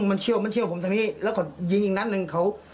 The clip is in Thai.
มันเชี่ยวมันเชี่ยวผมทางนี้แล้วก็ยิงอีกนัดหนึ่งเขา